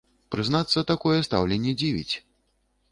Прызнацца, такое стаўленне дзівіць.